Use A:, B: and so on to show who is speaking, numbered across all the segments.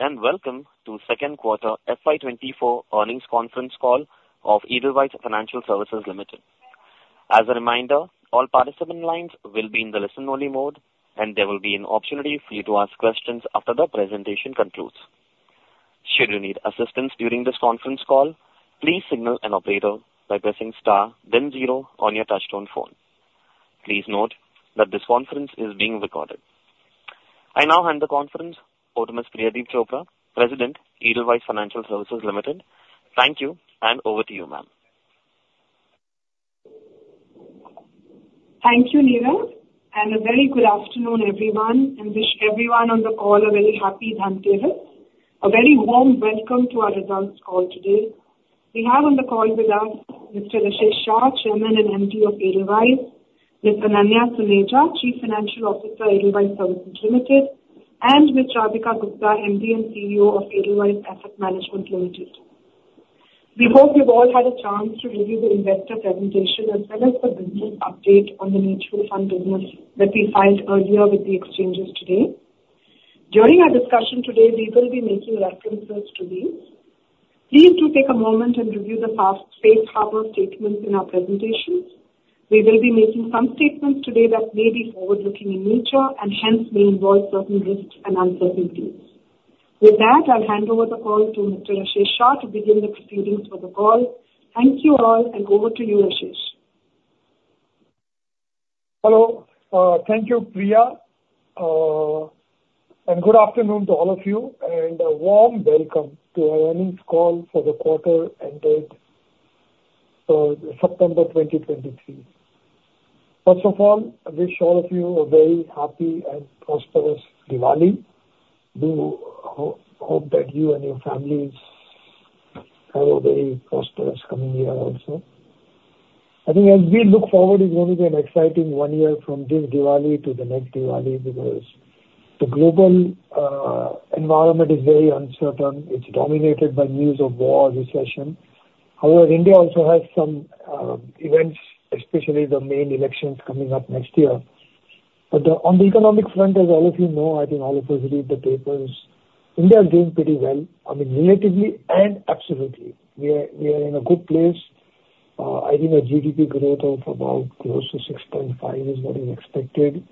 A: Welcome to second quarter FY 2024 earnings conference call of Edelweiss Financial Services Limited. As a reminder, all participant lines will be in the listen-only mode, and there will be an opportunity for you to ask questions after the presentation concludes. Should you need assistance during this conference call, please signal an operator by pressing star then zero on your touchtone phone. Please note that this conference is being recorded. I now hand the conference over to Ms. Priya Chopra, President, Edelweiss Financial Services Limited. Thank you, and over to you, ma'am.
B: Thank you, Neeraj, and a very good afternoon, everyone, and wish everyone on the call a very happy Dhanteras. A very warm welcome to our results call today. We have on the call with us Mr. Rashesh Shah, Chairman and MD of Edelweiss, Ms. Ananya Saneja, Chief Financial Officer, Edelweiss Financial Services Limited, and Ms. Radhika Gupta, MD and CEO of Edelweiss Asset Management Limited. We hope you've all had a chance to review the investor presentation as well as the business update on the mutual fund business that we filed earlier with the exchanges today. During our discussion today, we will be making references to these. Please do take a moment and review the safe harbor statements in our presentations. We will be making some statements today that may be forward-looking in nature and hence may involve certain risks and uncertainties. With that, I'll hand over the call to Mr. Rashesh Shah to begin the proceedings for the call. Thank you all, and over to you, Rashesh.
C: Hello. Thank you, Priya, and good afternoon to all of you, and a warm welcome to our earnings call for the quarter ended September 2023. First of all, I wish all of you a very happy and prosperous Diwali. I hope that you and your families have a very prosperous coming year also. I think as we look forward, it's going to be an exciting one year from this Diwali to the next Diwali, because the global environment is very uncertain. It's dominated by news of war, recession. However, India also has some events, especially the main elections coming up next year. But on the economic front, as all of you know, I think all of us read the papers, India is doing pretty well. I mean, relatively and absolutely, we are in a good place. I think a GDP growth of about close to 6.5 is what is expected.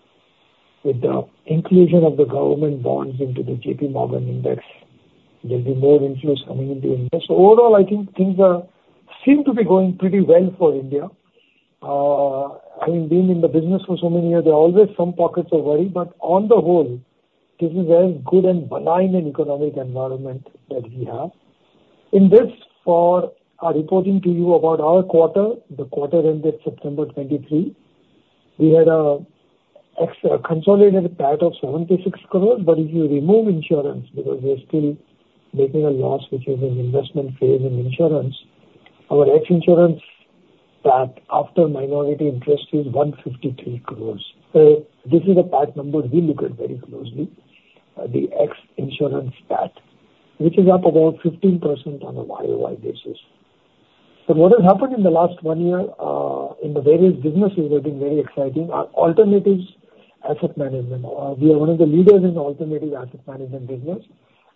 C: With the inclusion of the government bonds into the JP Morgan index, there'll be more inflows coming into India. So overall, I think things are, seem to be going pretty well for India. I mean, being in the business for so many years, there are always some pockets of worry, but on the whole, this is very good and benign in economic environment that we have. In this, for our reporting to you about our quarter, the quarter ended September 2023, we had a consolidated PAT of 76 crore, but if you remove insurance, because we are still making a loss, which is an investment phase in insurance, our ex insurance PAT after minority interest is 153 crore. So this is a PAT number we look at very closely, the ex-insurance PAT, which is up about 15% on a YOY basis. So what has happened in the last one year, in the various businesses have been very exciting. Our alternatives asset management. We are one of the leaders in alternative asset management business.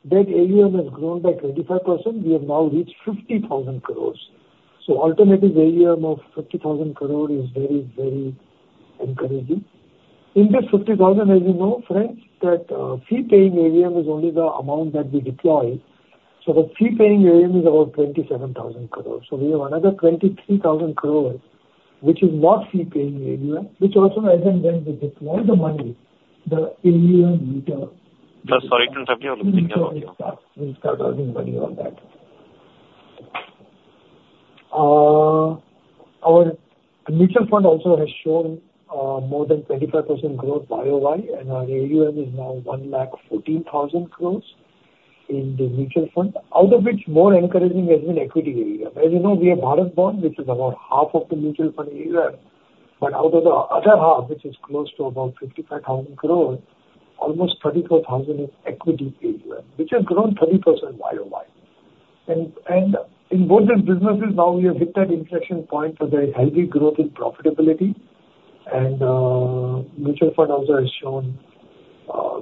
C: That AUM has grown by 25%. We have now reached 50,000 crore. So alternatives AUM of 50,000 crore is very, very encouraging. In this 50,000 crore, as you know, friends, that, fee-paying AUM is only the amount that we deploy. So the fee-paying AUM is about 27,000 crore. So we have another 23,000 crore, which is not fee-paying AUM, which also as and when we deploy the money, the AUM meter-
A: Sir, sorry to interrupt you. I'm looking at you.
C: We'll start earning money on that. Our mutual fund also has shown more than 25% growth YOY, and our AUM is now 114,000 crore in the mutual fund, out of which more encouraging has been equity AUM. As you know, we have BHARAT Bond, which is about half of the mutual fund AUM, but out of the other half, which is close to about 55,000 crore, almost 34,000 crore is equity AUM, which has grown 30% YOY. And in both these businesses, now we have hit that inflection point for the healthy growth and profitability, and mutual fund also has shown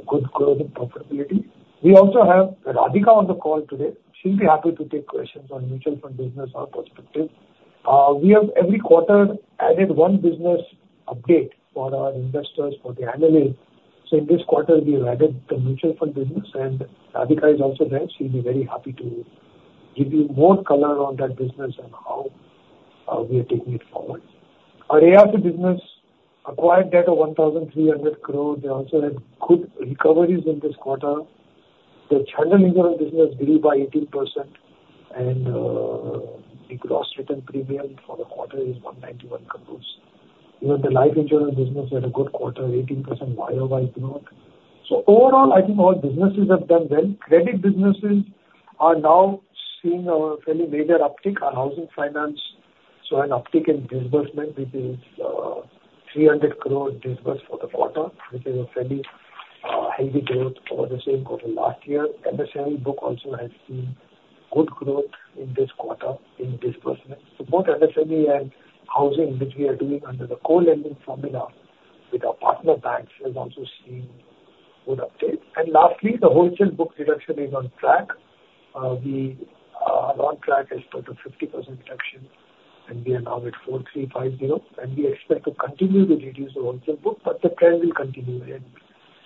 C: good growth and profitability. We also have Radhika on the call today. She'll be happy to take questions on mutual fund business or perspective. We have every quarter added one business update for our investors, for the analysts. So in this quarter, we added the mutual fund business, and Radhika is also there. She'll be very happy to give you more color on that business and how we are taking it forward. Our ARC business acquired debt of 1,300 crore. They also had good recoveries in this quarter. The general business grew by 18%, and the gross written premium for the quarter is 191 crore. Even the life insurance business had a good quarter, 18% YOY growth. So overall, I think all businesses have done well. Credit businesses are now seeing a fairly major uptick. Our housing finance saw an uptick in disbursement, which is 300 crore disbursed for the quarter, which is a fairly heavy growth over the same quarter last year. MSME book also has seen good growth in this quarter in disbursement. So both MSME and housing, which we are doing under the co-lending formula with our partner banks, has also seen good updates. And lastly, the wholesale book reduction is on track. We are on track as per the 50% reduction, and we are now at 4,350 crore, and we expect to continue to reduce the wholesale book, but the trend will continue, and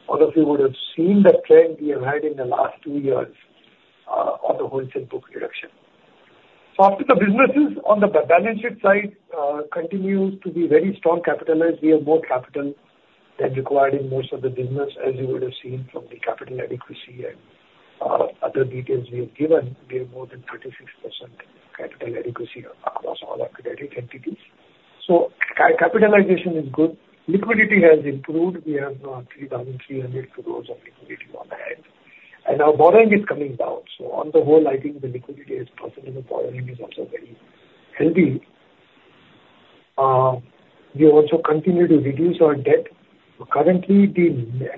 C: all of you would have seen that trend we have had in the last two years on the wholesale book reduction. So after the businesses on the balance sheet side continues to be very strong capitalized, we have more capital than required in most of the business, as you would have seen from the capital adequacy and other details we have given. We have more than 36% capital adequacy across all our credit entities. So capitalization is good. Liquidity has improved. We have 3,300 crores of liquidity on our hands, and our borrowing is coming down. So on the whole, I think the liquidity is positive, the borrowing is also very healthy. We also continue to reduce our debt. Currently, the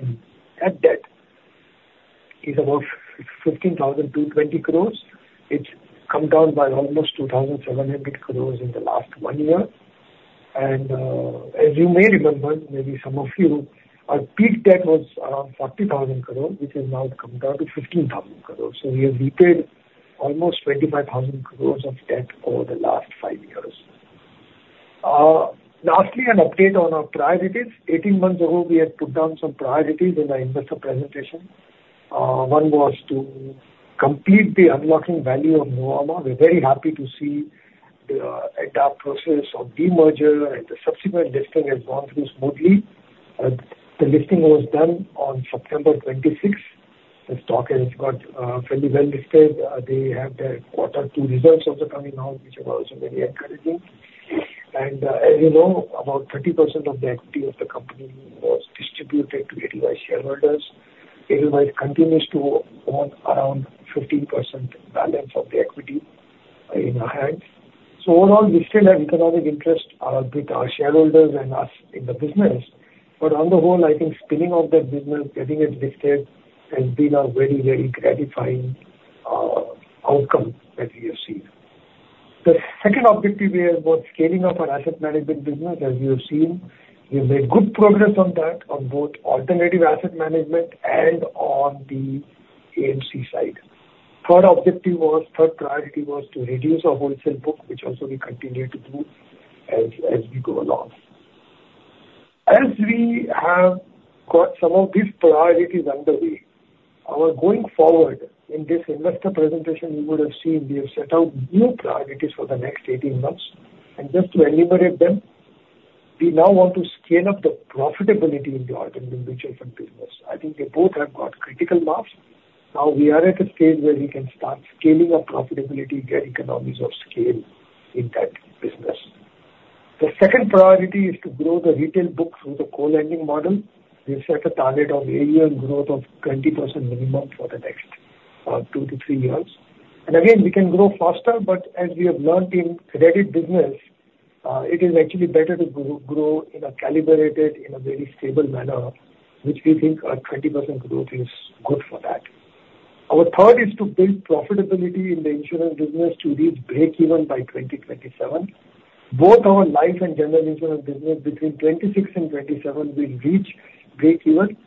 C: net debt is about 15,220 crores. It's come down by almost 2,700 crore in the last 1 year, and, as you may remember, maybe some of you, our peak debt was around 40,000 crore, which has now come down to 15,000 crore. So we have repaid almost 25,000 crore of debt over the last 5 years. Lastly, an update on our priorities. 18 months ago, we had put down some priorities in our investor presentation. One was to complete the unlocking value of Nuvama. We're very happy to see the adoption process of demerger and the subsequent listing has gone through smoothly. The listing was done on September 26th. The stock has got fairly well listed. They have their quarter 2 results also coming out, which are also very encouraging. As you know, about 30% of the equity of the company was distributed to Edelweiss shareholders. Edelweiss continues to own around 15% balance of the equity in our hands. So overall, we still have economic interest with our shareholders and us in the business. But on the whole, I think spinning off that business, getting it listed, has been a very, very gratifying outcome that we have seen. The second objective here was scaling up our asset management business. As you have seen, we have made good progress on that, on both alternative asset management and on the AMC side. Third objective was, third priority was to reduce our wholesale book, which also we continue to do as we go along. As we have got some of these priorities underway, our going forward in this investor presentation, you would have seen, we have set out new priorities for the next 18 months. Just to enumerate them, we now want to scale up the profitability in the AUM and mutual fund business. I think they both have got critical mass. Now we are at a stage where we can start scaling up profitability, get economies of scale in that business. The second priority is to grow the retail book through the co-lending model. We've set a target of 8-year growth of 20% minimum for the next 2-3 years. And again, we can grow faster, but as we have learned in credit business, it is actually better to grow in a calibrated, in a very stable manner, which we think a 20% growth is good for that. Our third is to build profitability in the insurance business to reach breakeven by 2027. Both our life and general insurance business between 2026 and 2027 will reach breakeven.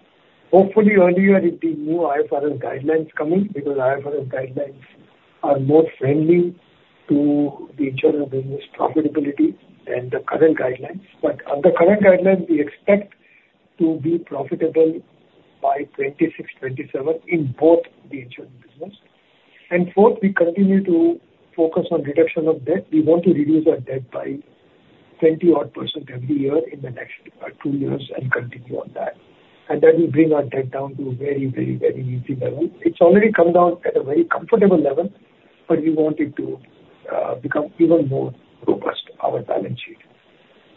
C: Hopefully earlier with the new IFRS guidelines coming, because IFRS guidelines are more friendly to the insurance business profitability than the current guidelines. But under current guidelines, we expect to be profitable by 2026, 2027 in both the insurance business. And fourth, we continue to focus on reduction of debt. We want to reduce our debt by 20-odd% every year in the next two years and continue on that. That will bring our debt down to a very, very, very easy level. It's already come down at a very comfortable level, but we want it to become even more robust, our balance sheet.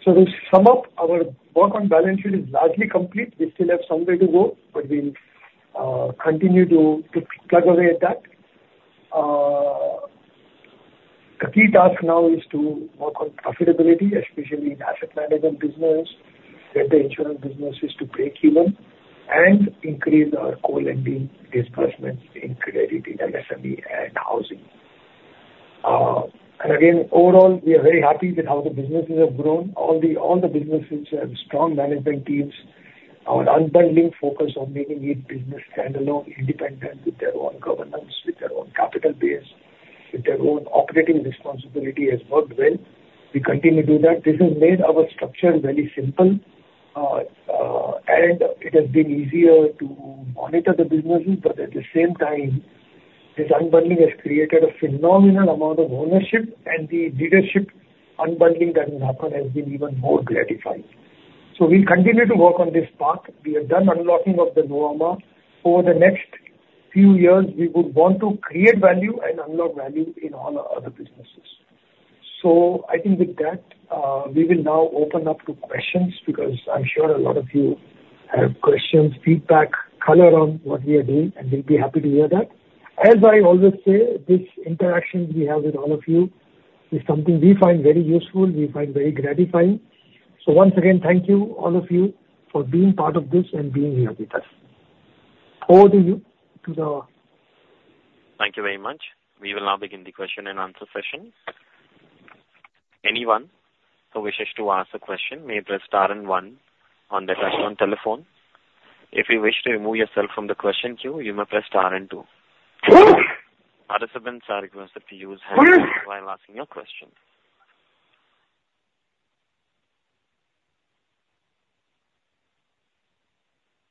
C: So to sum up, our work on balance sheet is largely complete. We still have some way to go, but we'll continue to plug away at that. The key task now is to work on profitability, especially in asset management business, get the insurance businesses to breakeven, and increase our co-lending disbursements in credit, in SME and housing. And again, overall, we are very happy with how the businesses have grown. All the businesses have strong management teams. Our unbundling focus on making each business standalone, independent, with their own governance, with their own capital base, with their own operating responsibility, has worked well. We continue to do that. This has made our structure very simple. And it has been easier to monitor the businesses, but at the same time, this unbundling has created a phenomenal amount of ownership, and the leadership unbundling that has happened has been even more gratifying. So we'll continue to work on this path. We are done unlocking of the Nuvama. Over the next few years, we would want to create value and unlock value in all our other businesses. So I think with that, we will now open up to questions, because I'm sure a lot of you have questions, feedback, color on what we are doing, and we'll be happy to hear that. As I always say, this interaction we have with all of you is something we find very useful, we find very gratifying. Once again, thank you, all of you, for being part of this and being here with us. Over to you, to the-
A: Thank you very much. We will now begin the question and answer session. Anyone who wishes to ask a question may press star and one on their telephone. If you wish to remove yourself from the question queue, you may press star and two. Participants are requested to use while asking your question.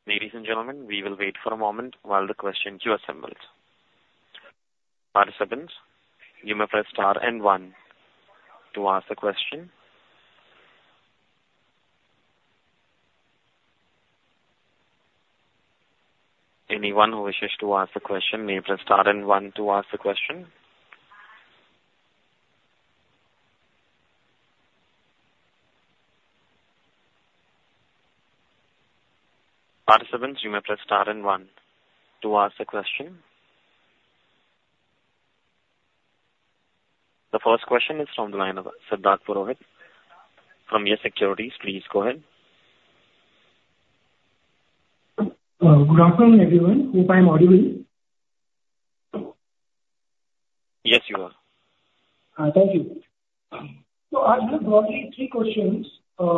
A: Ladies and gentlemen, we will wait for a moment while the question queue assembles. Participants, you may press star and one to ask the question. Anyone who wishes to ask a question may press star and one to ask the question. Participants, you may press star and one to ask the question. The first question is from the line of Siddharth Purohit from Yes Securities. Please go ahead.
D: Good afternoon, everyone. Hope I'm audible.
A: Yes, you are.
D: Thank you. So I have broadly three questions. First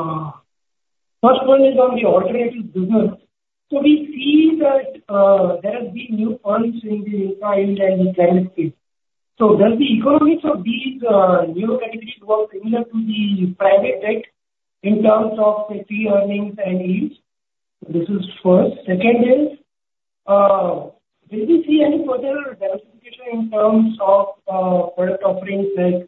D: one is on the alternative business. So we see that there have been new funds raised in the private space. So does the economics of these new categories were similar to the private debt in terms of the fee earnings and yields? This is first. Second is, did we see any further diversification in terms of product offerings like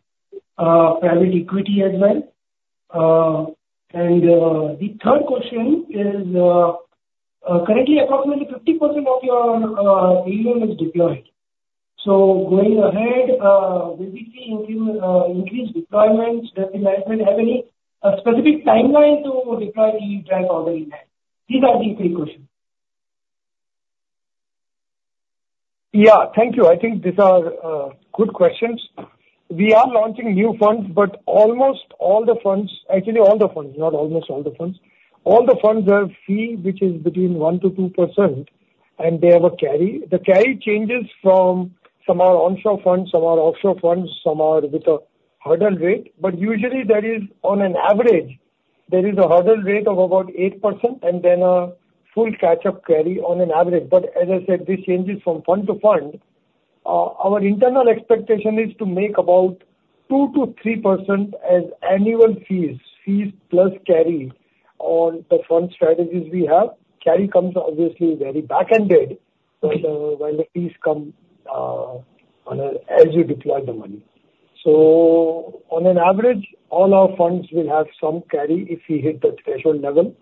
D: private equity as well? And the third question is, currently approximately 50% of your AUM is deployed. So going ahead, will we see you increase deployments? Does the management have any specific timeline to deploy the dry powder in that? These are the three questions.
C: Yeah. Thank you. I think these are good questions. We are launching new funds, but almost all the funds, actually, all the funds, not almost all the funds. All the funds have fee, which is between 1%-2%, and they have a carry. The carry changes from some are onshore funds, some are offshore funds, some are with a hurdle rate, but usually there is on an average, there is a hurdle rate of about 8% and then a full catch-up carry on an average. But as I said, this changes from fund to fund. Our internal expectation is to make about 2%-3% as annual fees, fees plus carry on the fund strategies we have. Carry comes obviously very back-ended, while the fees come on a as you deploy the money. So on an average, all our funds will have some carry if we hit that threshold level.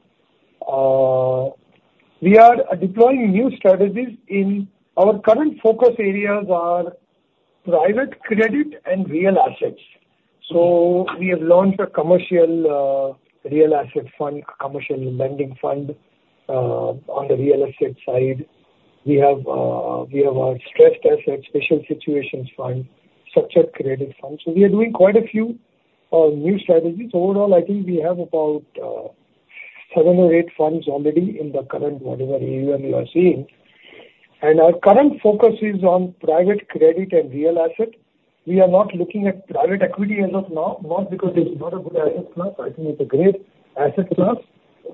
C: We are deploying new strategies in our current focus areas are private credit and real assets. So we have launched a commercial, real asset fund, a commercial lending fund. On the real estate side, we have, we have a stressed assets, special situations fund, structured credit fund. So we are doing quite a few, new strategies. Overall, I think we have about, seven or eight funds already in the current whatever AUM we are seeing. And our current focus is on private credit and real assets. We are not looking at private equity as of now, not because it's not a good asset class. I think it's a great asset class,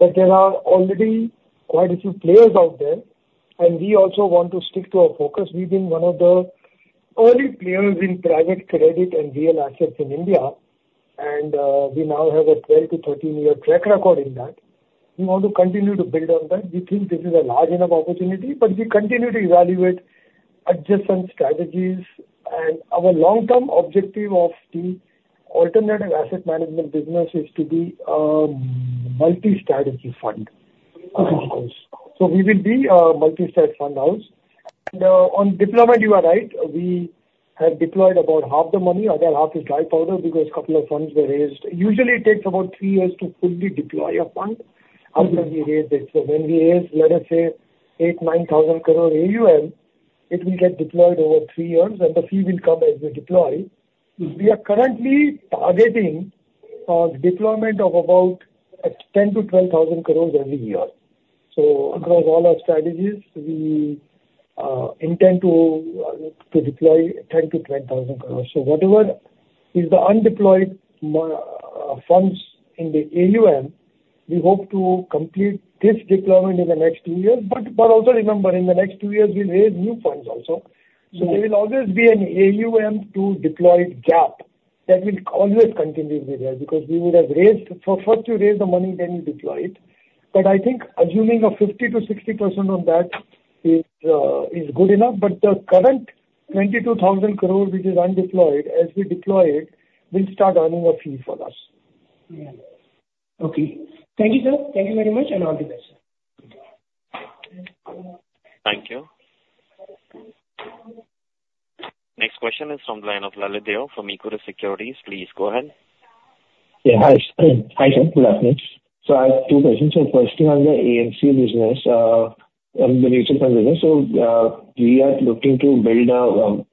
C: but there are already quite a few players out there, and we also want to stick to our focus. We've been one of the early players in private credit and real assets in India, and we now have a 12- to 13-year track record in that. We want to continue to build on that. We think this is a large enough opportunity, but we continue to evaluate adjacent strategies. And our long-term objective of the alternative asset management business is to be a multi-strategy fund. So we will be a multi-strategy fund house. And on deployment, you are right. We have deployed about half the money. Other half is dry powder because a couple of funds were raised. Usually, it takes about 3 years to fully deploy a fund after we raise it. So when we raise, let us say, 8,000-9,000 crore AUM, it will get deployed over three years, and the fee will come as we deploy. We are currently targeting deployment of about 10,000-12,000 crores every year. So across all our strategies, we intend to deploy 10,000-12,000 crores. So whatever is the undeployed funds in the AUM, we hope to complete this deployment in the next two years. But, but also remember, in the next two years, we'll raise new funds also. So there will always be an AUM to deployed gap that will always continue to be there, because we would have raised... First you raise the money, then you deploy it. But I think assuming a 50%-60% on that is good enough, but the current 22,000 crore, which is undeployed, as we deploy it, will start earning a fee for us.
D: Yeah. Okay. Thank you, sir. Thank you very much, and all the best.
A: Thank you. Next question is from the line of Lalit Deo from Equirus Securities. Please go ahead.
E: Yeah. Hi, hi, sir. Good afternoon. So I have two questions. So first one, on the AMC business, and the mutual fund business. So, we are looking to build on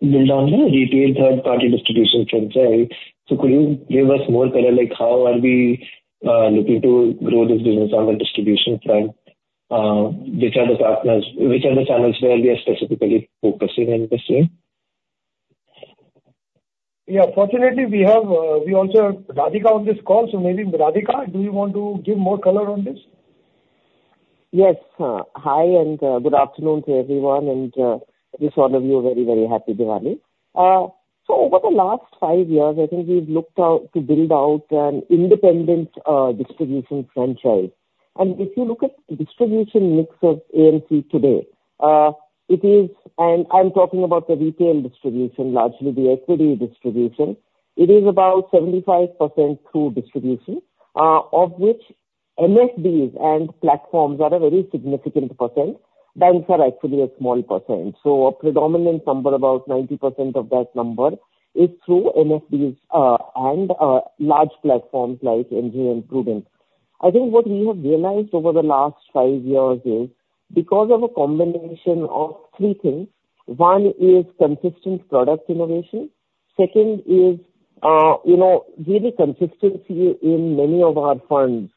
E: the retail third party distribution franchise. So could you give us more color, like how are we looking to grow this business on the distribution front? Which are the partners, which are the channels where we are specifically focusing in this year?
C: Yeah. Fortunately, we have, we also have Radhika on this call. So maybe Radhika, do you want to give more color on this?
F: Yes. Hi, and good afternoon to everyone, and wish all of you a very, very happy Diwali! So over the last five years, I think we've looked out to build out an independent distribution franchise. And if you look at the distribution mix of AMC today, it is, and I'm talking about the retail distribution, largely the equity distribution. It is about 75% through distribution, of which MFDs and platforms are a very significant percent. Banks are actually a small percent. So a predominant number, about 90% of that number is through MFDs, and large platforms like NJ and Prudent. I think what we have realized over the last five years is because of a combination of three things. One is consistent product innovation. Second is, you know, really consistency in many of our funds.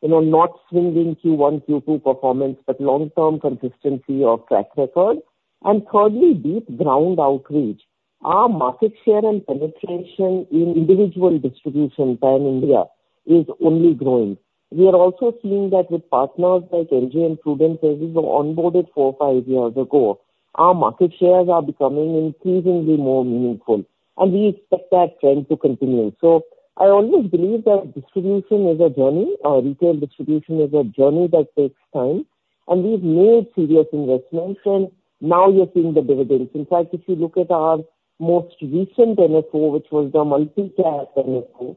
F: You know, not swinging Q1, Q2 performance, but long-term consistency or track record. And thirdly, deep ground outreach. Our market share and penetration in individual distribution pan India is only growing. We are also seeing that with partners like NJ and Prudent, as we've onboarded 4-5 years ago, our market shares are becoming increasingly more meaningful, and we expect that trend to continue. So I always believe that distribution is a journey. Our retail distribution is a journey that takes time, and we've made serious investments and now we are seeing the dividends. In fact, if you look at our most recent NFO, which was the multi-cap NFO,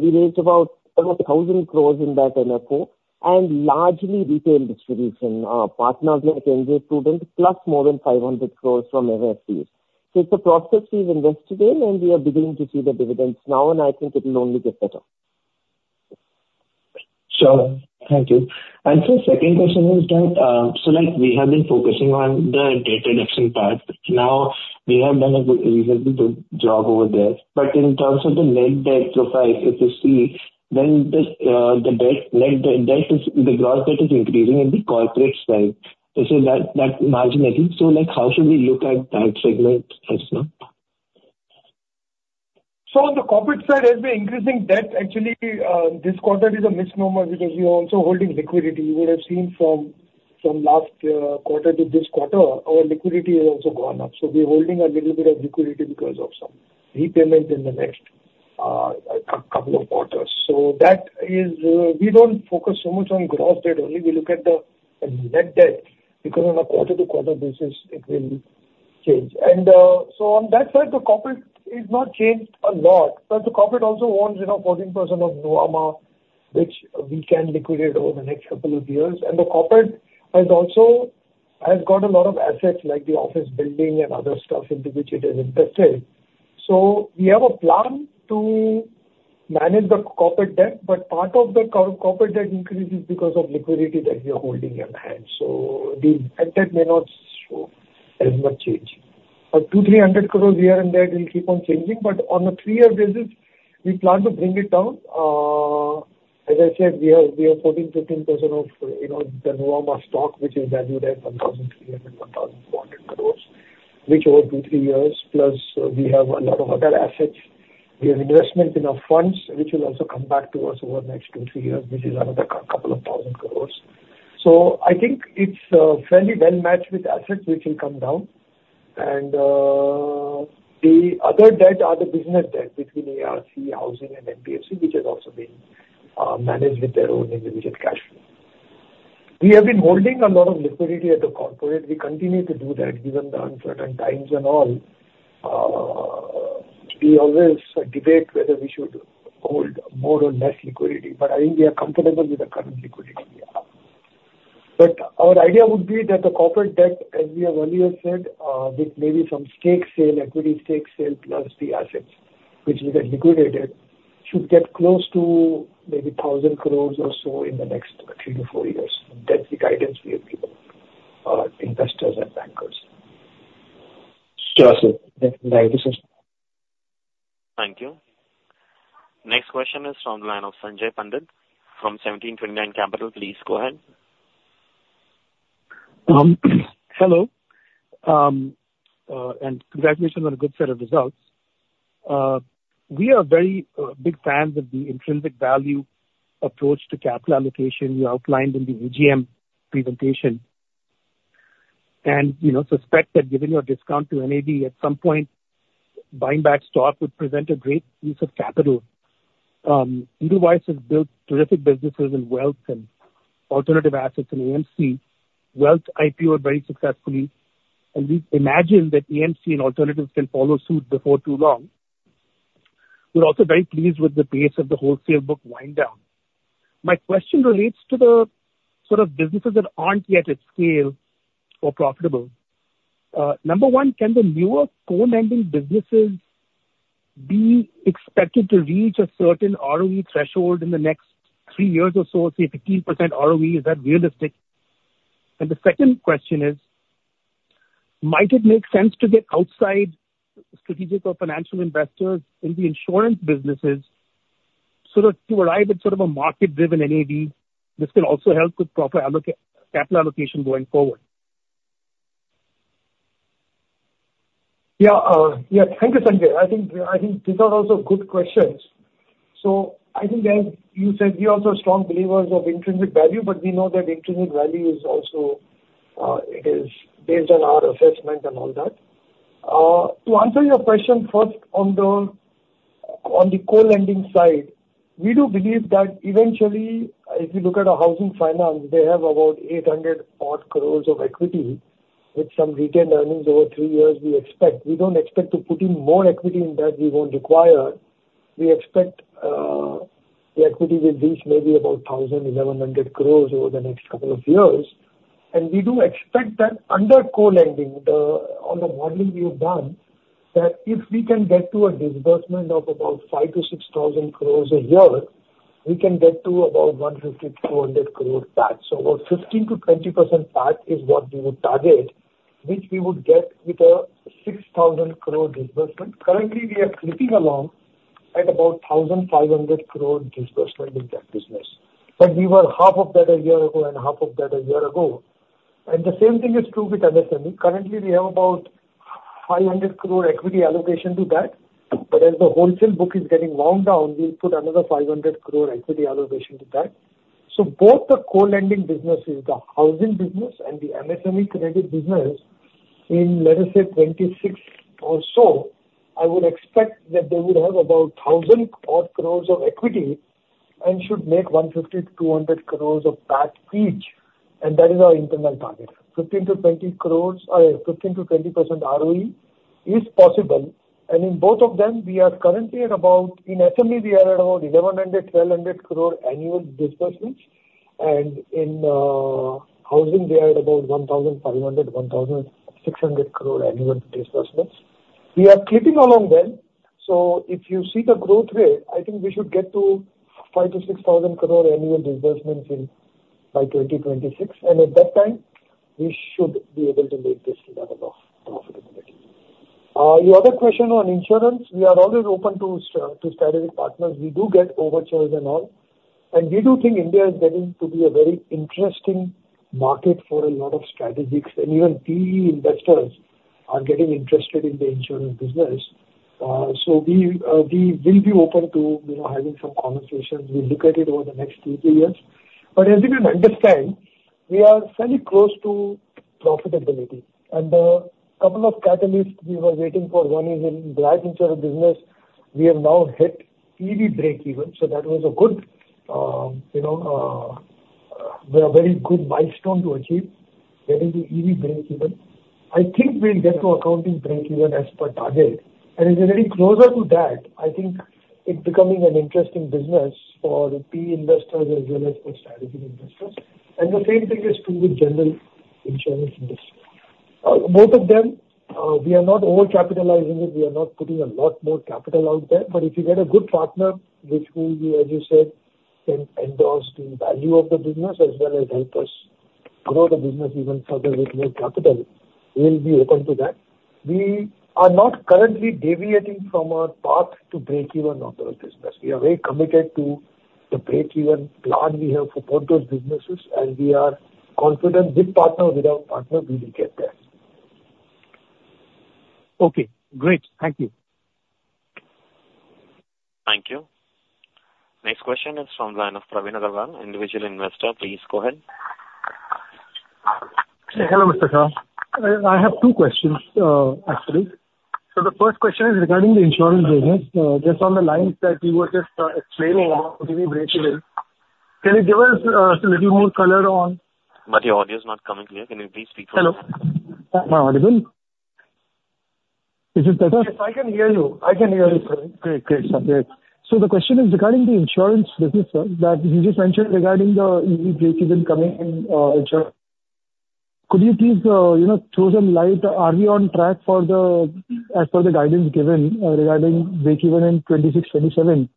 F: we raised about over 1,000 crore in that NFO, and largely retail distribution. Our partners like NJ Prudent, plus more than INR 500 crore from MFDs. So it's a process we've invested in, and we are beginning to see the dividends now, and I think it will only get better.
E: Sure. Thank you. And so second question is that, so like we have been focusing on the debt reduction part. Now, we have done a good, reasonably good job over there. But in terms of the net debt profile, if you see then the, the debt, net debt, debt is, the gross debt is increasing in the corporate side. This is that, that marginally. So like, how should we look at that segment as now?
C: So on the corporate side, as we're increasing debt, actually, this quarter is a misnomer because we are also holding liquidity. You would have seen from, from last quarter to this quarter, our liquidity has also gone up. So we're holding a little bit of liquidity because of some repayment in the next couple of quarters. So that is, we don't focus so much on gross debt only. We look at the net debt, because on a quarter-to-quarter basis, it will change. And, so on that side, the corporate is not changed a lot. But the corporate also owns, you know, 14% of Nuvama, which we can liquidate over the next couple of years. And the corporate has also, has got a lot of assets, like the office building and other stuff into which it is invested. So we have a plan to manage the corporate debt, but part of the corporate debt increase is because of liquidity that we are holding at hand. So the net debt may not show as much change. But INR 200 crore-INR 300 crore here and there, it will keep on changing. But on a three-year basis, we plan to bring it down. As I said, we are 14%-15% of, you know, the Nuvama stock, which is valued at 1,300 crore-1,400 crore, which over 2-3 years, plus, we have a lot of other assets. We have investment in our funds, which will also come back to us over the next 2-3 years, which is another 2,000 crore. So I think it's fairly well matched with assets which will come down. The other debt are the business debt between ARC, Housing and NBFC, which has also been managed with their own individual cash flow. We have been holding a lot of liquidity at the corporate. We continue to do that, given the uncertain times and all. We always debate whether we should hold more or less liquidity, but I think we are comfortable with the current liquidity we have. But our idea would be that the corporate debt, as we have earlier said, with maybe some stake sale, equity stake sale, plus the assets which we can liquidate it, should get close to maybe 1,000 crore or so in the next 3-4 years. That's the guidance we have given our investors and bankers.
E: Sure, sir. Thank you, sir.
A: Thank you. Next question is from the line of Sanjay Pandit from 1729 Capital. Please go ahead.
G: Hello. Congratulations on a good set of results. We are very big fans of the intrinsic value approach to capital allocation you outlined in the AGM presentation. You know, suspect that given your discount to NAV, at some point, buying back stock would present a great use of capital. Nuvama has built terrific businesses in wealth and alternative assets in AMC. Wealth IPO very successfully, and we imagine that AMC and Alternatives can follow suit before too long. We're also very pleased with the pace of the wholesale book wind down. My question relates to the sort of businesses that aren't yet at scale or profitable. Number one, can the newer co-lending businesses—do you expect it to reach a certain ROE threshold in the next three years or so, say, 15% ROE, is that realistic? The second question is: Might it make sense to get outside strategic or financial investors in the insurance businesses so that to arrive at sort of a market-driven NAV, this can also help with proper capital allocation going forward?
C: Yeah. Yeah, thank you, Sanjay. I think, I think these are also good questions. So I think, as you said, we are also strong believers of intrinsic value, but we know that intrinsic value is also, it is based on our assessment and all that. To answer your question first on the, on the co-lending side, we do believe that eventually, if you look at a housing finance, they have about 800 crore of equity, with some retained earnings over three years, we expect. We don't expect to put in more equity in that, we won't require. We expect, the equity will reach maybe about 1,000-1,100 crore over the next couple of years. We do expect that under co-lending, the on the modeling we have done, that if we can get to a disbursement of about 5,000-6,000 crore a year, we can get to about 150-200 crore PAT. So about 15%-20% PAT is what we would target, which we would get with a 6,000 crore disbursement. Currently, we are creeping along at about 1,500 crore disbursement in that business, but we were half of that a year ago and half of that a year ago. The same thing is true with SME. Currently, we have about 500 crore equity allocation to that, but as the wholesale book is getting wound down, we'll put another 500 crore equity allocation to that. Both the co-lending businesses, the housing business and the SME credit business, in, let us say, 2026 or so, I would expect that they would have about 1,000-odd crore of equity and should make 150 crore-200 crore of PAT each, and that is our internal target. 15 crore-20 crore, 15%-20% ROE is possible. And in both of them, we are currently at about. In SME, we are at about 1,100-1,200 crore annual disbursements, and in housing, we are at about 1,500-1,600 crore annual disbursements. We are creeping along then, so if you see the growth rate, I think we should get to 5,000-6,000 crore annual disbursements in, by 2026, and at that time, we should be able to make this level of profitability. Your other question on insurance, we are always open to strategic partners. We do get overtures and all, and we do think India is getting to be a very interesting market for a lot of strategics, and even PE investors are getting interested in the insurance business. So we will be open to, you know, having some conversations. We'll look at it over the next two, three years. But as you can understand, we are fairly close to profitability, and a couple of catalysts we were waiting for. One is in direct insurance business, we have now hit EV breakeven, so that was a good, you know, a very good milestone to achieve, getting to EV breakeven. I think we'll get to accounting breakeven as per target, and as we're getting closer to that, I think it's becoming an interesting business for PE investors as well as for strategic investors. The same thing is true with general insurance industry. Both of them, we are not overcapitalizing it, we are not putting a lot more capital out there, but if you get a good partner, which will be, as you said, can endorse the value of the business as well as help us grow the business even further with more capital, we'll be open to that. We are not currently deviating from our path to breakeven on both businesses. We are very committed to the breakeven plan we have for both those businesses, and we are confident, with partner or without partner, we will get there.
G: Okay, great. Thank you.
A: Thank you. Next question is from the line of Praveen Agarwal, individual investor. Please go ahead.
H: Hello, Mr. Shah. I have two questions, actually. The first question is regarding the insurance business. Just on the lines that you were just explaining about giving breakeven, can you give us a little more color on-
A: Your audio is not coming clear. Can you please speak more?
H: Hello. Am I audible? Is it better? Yes, I can hear you. I can hear you, sir. Great, great, sir. Great. So the question is regarding the insurance business, sir, that you just mentioned regarding the EV breakeven coming in, insurance. Could you please, you know, throw some light? Are we on track for the, as per the guidance given, regarding breakeven in 2026, 2027?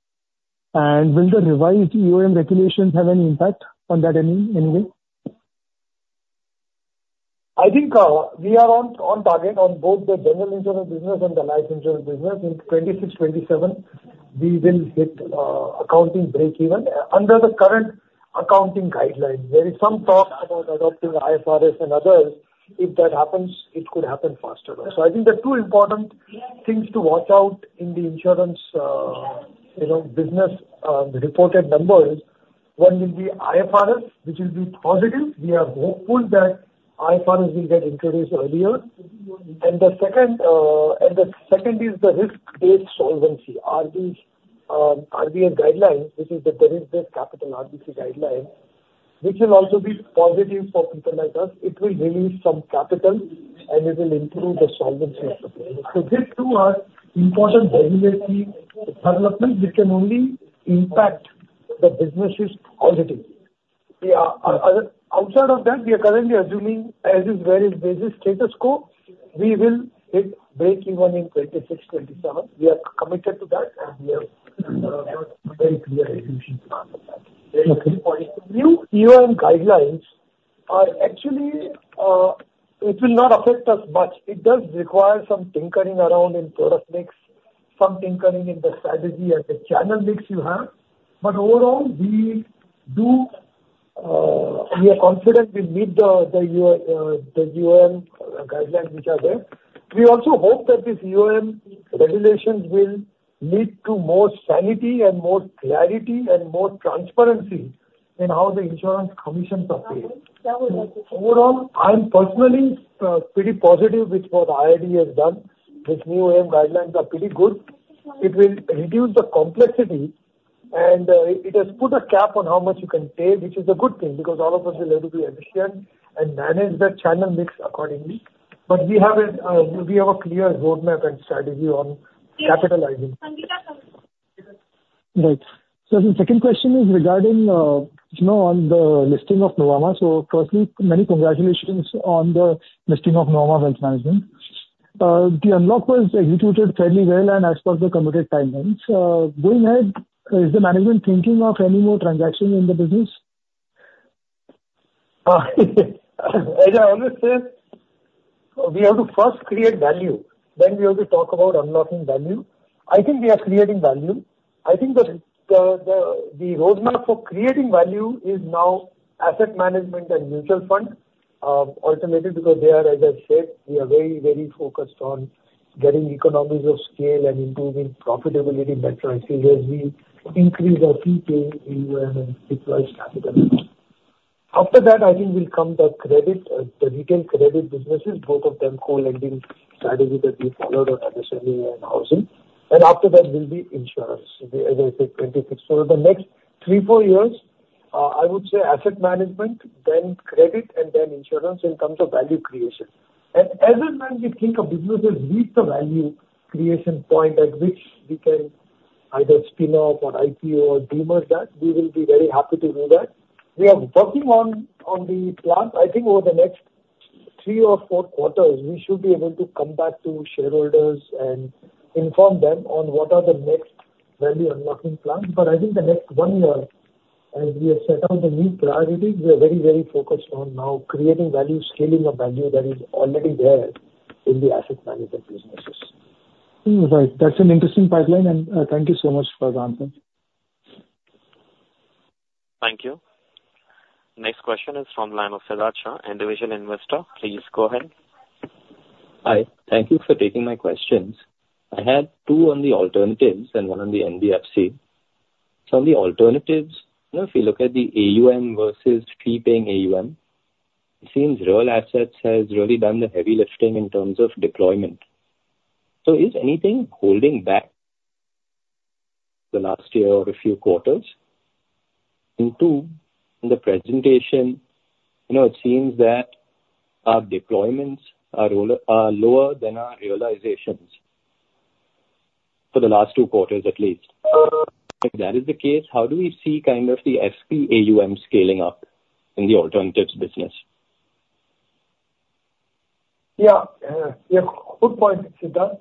H: And will the revised EOM regulations have any impact on that anyway?
C: I think, we are on target on both the general insurance business and the life insurance business. In 2026, 2027, we will hit accounting breakeven under the current accounting guidelines. There is some talk about adopting IFRS and others. If that happens, it could happen faster. So I think the two important things to watch out in the insurance, you know, business, reported numbers, one will be IFRS, which will be positive.
H: We are hopeful that IFRS will get introduced earlier. And the second, and the second is the risk-based solvency, RB, RBA guidelines, which is the current risk capital RBC guidelines, which will also be positive for people like us. It will release some capital, and it will improve the solvency of the business. So these two are important regulatory developments which can only impact the businesses positive. Yeah. Other, outside of that, we are currently assuming as is, where is business status quo, we will hit breakeven in 2026, 2027. We are committed to that, and we have, very clear solutions for that. Okay. New guidelines are actually, it will not affect us much. It does require some tinkering around in product mix, some tinkering in the strategy and the channel mix you have.
C: But overall, we do, we are confident we meet the guidelines which are there. We also hope that these new regulations will lead to more sanity and more clarity and more transparency in how the insurance commissions are paid. Overall, I am personally pretty positive with what IRDAI has done. These new guidelines are pretty good. It will reduce the complexity, and it has put a cap on how much you can pay, which is a good thing, because all of us will able to be efficient and manage the channel mix accordingly. But we have a clear roadmap and strategy on capitalizing. Right. So the second question is regarding, you know, on the listing of Nuvama. So firstly, many congratulations on the listing of Nuvama Wealth Management. The unlock was executed fairly well and as per the committed timelines. Going ahead, is the management thinking of any more transactions in the business? As I always say, we have to first create value, then we have to talk about unlocking value. I think we are creating value. I think the roadmap for creating value is now asset management and mutual funds, alternatively, because they are, as I said, we are very, very focused on getting economies of scale and improving profitability metrics as we increase our fee pay in, deployed capital. After that, I think will come the credit, the retail credit businesses, both of them co-lending strategy that we followed on SME and housing. And after that will be insurance. As I said, 26. So the next 3-4 years, I would say asset management, then credit, and then insurance in terms of value creation. And as and when we think of businesses reach the value creation point at which we can either spin off or IPO or demerge that, we will be very happy to do that. We are working on, on the plan. I think over the next 3 or 4 quarters, we should be able to come back to shareholders and inform them on what are the next value unlocking plans. But I think the next one year, as we have set out the new priorities, we are very, very focused on now creating value, scaling the value that is already there in the asset management businesses.
H: Right. That's an interesting pipeline, and, thank you so much for the answer.
A: Thank you. Next question is from Lamo Sidacha, individual investor. Please go ahead.
I: Hi. Thank you for taking my questions. I had two on the alternatives and one on the NBFC. So on the alternatives, you know, if you look at the AUM versus fee-paying AUM, it seems real assets has really done the heavy lifting in terms of deployment. So is anything holding back the last year or a few quarters? And two, in the presentation, you know, it seems that our deployments are role, are lower than our realizations for the last two quarters at least. If that is the case, how do we see kind of the SPAUM scaling up in the alternatives business?
C: Yeah. Yeah, good point, Siddharth.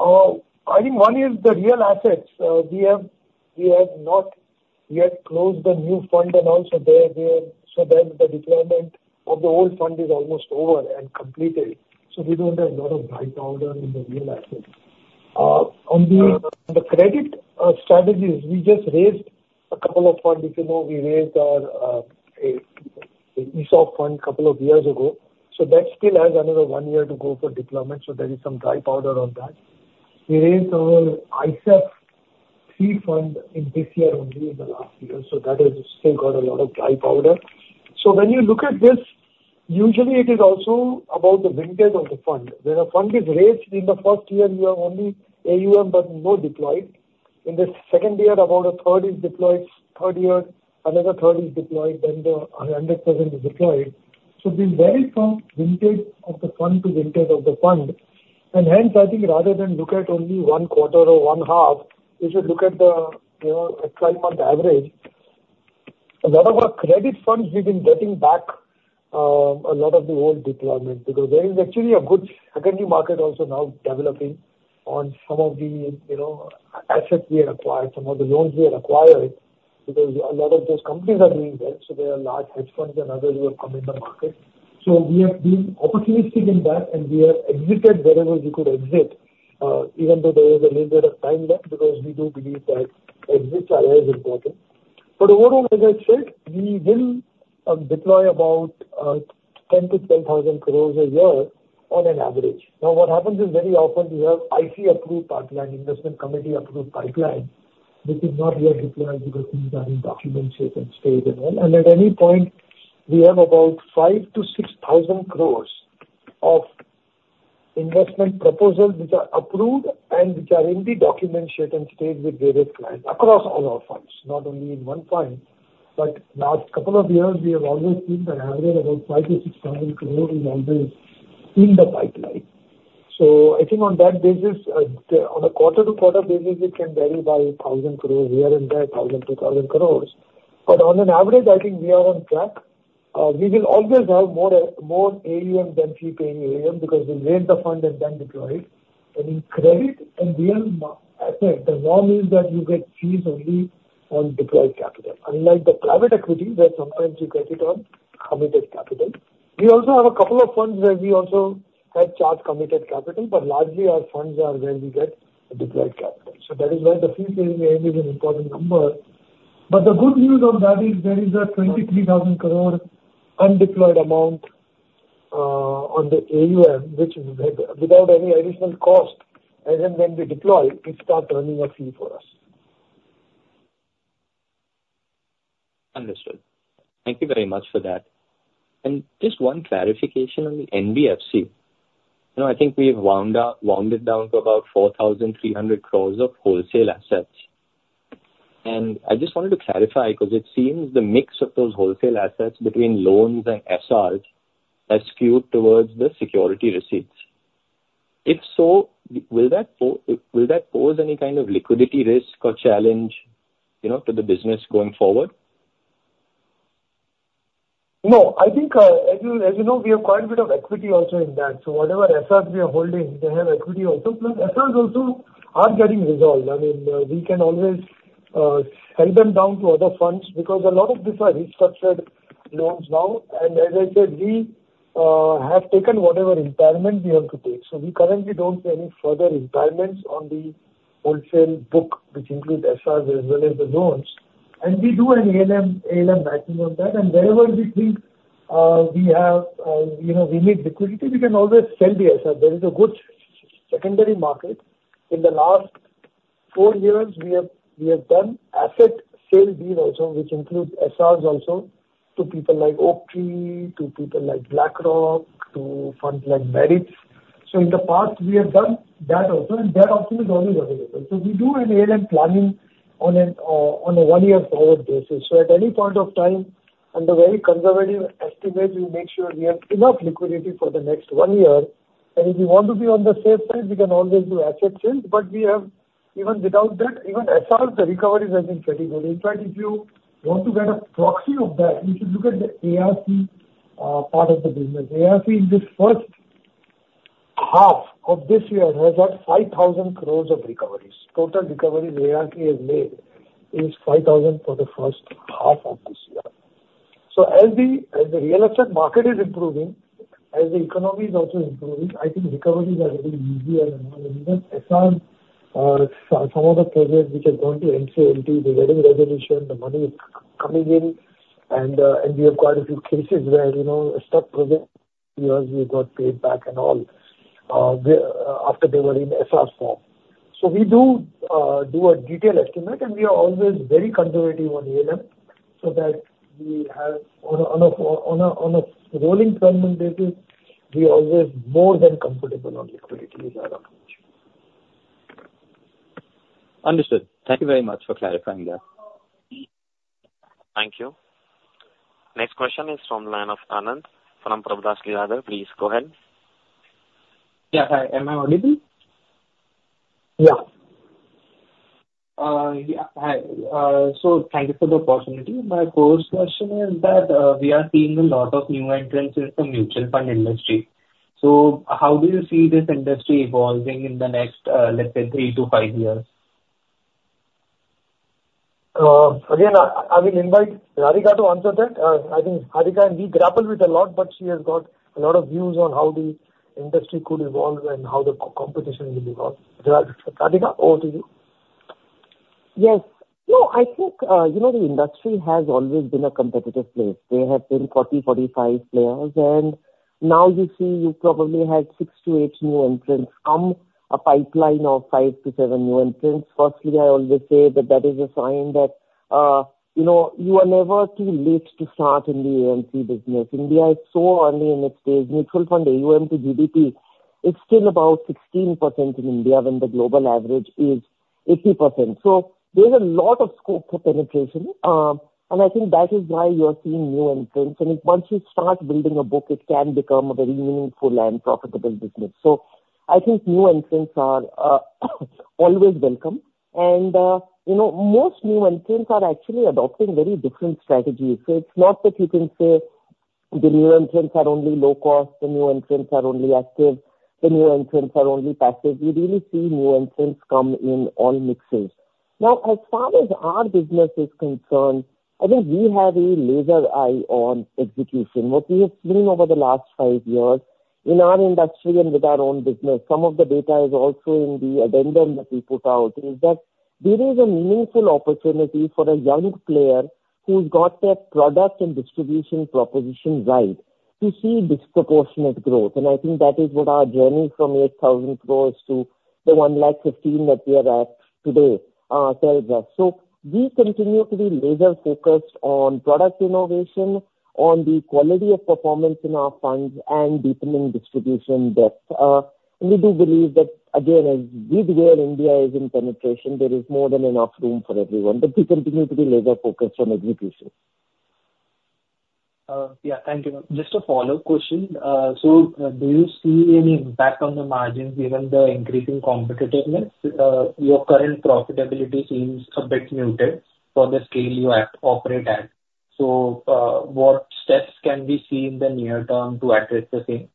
C: I think one is the real assets. We have not yet closed the new fund and also there, so the deployment of the old fund is almost over and completed. So we don't have a lot of dry powder in the real assets. On the credit strategies, we just raised a couple of funds. You know, we raised our the ESOF fund couple of years ago, so that still has another one year to go for deployment, so there is some dry powder on that. We raised our ISAF III fund in this year, only in the last year, so that has still got a lot of dry powder. So when you look at this, usually it is also about the vintage of the fund. When a fund is raised in the first year, you have only AUM, but no deployed. In the second year, about a third is deployed. Third year, another third is deployed, then the, 100% is deployed. So it varies from vintage of the fund to vintage of the fund. And hence, I think rather than look at only one quarter or one half, you should look at the, you know, a 12-month average. A lot of our credit funds, we've been getting back a lot of the old deployment, because there is actually a good secondary market also now developing on some of the, you know, assets we had acquired, some of the loans we had acquired, because a lot of those companies are doing well, so there are large hedge funds and others who have come in the market. So we have been opportunistic in that, and we have exited wherever we could exit, even though there is a little bit of time left, because we do believe that exits are always important. But overall, as I said, we will deploy about 10,000-12,000 crore a year on an average. Now, what happens is, very often we have IC approved pipeline, investment committee approved pipeline, which is not yet deployed because these are in document share and stage and all. And at any point, we have about 5,000-6,000 crore of investment proposals which are approved and which are in the document share and stage with various clients across all our funds, not only in one fund. But last couple of years, we have always seen an average about 5,000-6,000 crore is always in the pipeline. So I think on that basis, on a quarter-to-quarter basis, it can vary by 1,000 crore, here and there, 1,000 crore, 2,000 crore. But on an average, I think we are on track. We will always have more, more AUM than fee-paying AUM, because we raise the fund and then deploy it. And in credit and real asset, the norm is that you get fees only on deployed capital, unlike the private equity, where sometimes you get it on committed capital. We also have a couple of funds where we also have charged committed capital, but largely our funds are where we get the deployed capital. So that is where the fee-paying AUM is an important number. The good news on that is there is a 23,000 crore undeployed amount on the AUM, which we get without any additional cost, and then when we deploy, it starts earning a fee for us.
I: Understood. Thank you very much for that. Just one clarification on the NBFC. You know, I think we've wound up, wound it down to about 4,300 crore of wholesale assets. I just wanted to clarify, 'cause it seems the mix of those wholesale assets between loans and SRs are skewed towards the security receipts. If so, will that pose any kind of liquidity risk or challenge, you know, to the business going forward?
C: No, I think, as you, as you know, we have quite a bit of equity also in that. So whatever SRs we are holding, they have equity also, plus SRs also are getting resolved. I mean, we can always sell them down to other funds because a lot of these are restructured loans now. And as I said, we have taken whatever impairment we have to take. So we currently don't see any further impairments on the wholesale book, which includes SRs as well as the loans. And we do an ALM, ALM matching on that, and wherever we think, we have, you know, we need liquidity, we can always sell the SR. There is a good secondary market. In the last four years, we have, we have done asset sale deal also, which includes SRs also, to people like Oaktree, to people like BlackRock, to funds like Meritz. So in the past, we have done that also, and that option is always available. So we do an ALM planning on an on a one-year forward basis. So at any point of time, under very conservative estimate, we make sure we have enough liquidity for the next one year. And if we want to be on the safe side, we can always do asset sale. But we have, even without that, even SR, the recovery has been pretty good. In fact, if you want to get a proxy of that, you should look at the ARC part of the business. ARC, in this first half of this year, has had 5,000 crore of recoveries. Total recoveries ARC has made is 5,000 for the first half of this year. So as the real estate market is improving, as the economy is also improving, I think recoveries are getting easier and easier. Even SRs, some of the projects which have gone to NCLT, they're getting resolution, the money is coming in, and we have quite a few cases where, you know, a stuck project, yours, we got paid back and all, they after they were in SR form. So we do a detailed estimate, and we are always very conservative on the ALM, so that we have on a rolling term basis, we're always more than comfortable on liquidity is our approach.
I: Understood. Thank you very much for clarifying that.
A: Thank you. Next question is from the line of Anand, from Prabhudas Lilladher. Please go ahead.
J: Yeah, hi. Am I audible?
C: Yeah.
J: Yeah. Hi, so thank you for the opportunity. My first question is that, we are seeing a lot of new entrants in the mutual fund industry. So how do you see this industry evolving in the next, let's say, 3-5 years?
C: Again, I will invite Radhika to answer that. I think Radhika and me grapple with a lot, but she has got a lot of views on how the industry could evolve and how the co-competition will evolve. Radhika, over to you.
F: Yes. No, I think, you know, the industry has always been a competitive place. There have been 40-45 players, and now you see you probably have 6-8 new entrants, and a pipeline of 5-7 new entrants. Firstly, I always say that that is a sign that, you know, you are never too late to start in the AMC business. India is so early in its days. Mutual fund AUM to GDP is still about 16% in India, when the global average is 80%. So there's a lot of scope for penetration. And I think that is why you are seeing new entrants. And once you start building a book, it can become a very meaningful and profitable business. So I think new entrants are always welcome. And, you know, most new entrants are actually adopting very different strategies. So it's not that you can say the new entrants are only low cost, the new entrants are only active, the new entrants are only passive. We really see new entrants come in all mixes. Now, as far as our business is concerned, I think we have a laser eye on execution. What we have seen over the last five years in our industry and with our own business, some of the data is also in the addendum that we put out, is that there is a meaningful opportunity for a young player who's got their product and distribution proposition right to see disproportionate growth. And I think that is what our journey from 8,000 crore to the 1,15,000 crore that we are at today tells us. We continue to be laser focused on product innovation, on the quality of performance in our funds, and deepening distribution depth. And we do believe that, again, as we view India is in penetration, there is more than enough room for everyone, but we continue to be laser focused on execution.
J: Yeah, thank you, ma'am. Just a follow-up question. So, do you see any impact on the margins given the increasing competitiveness? Your current profitability seems a bit muted for the scale you operate at. So, what steps can we see in the near term to address the same?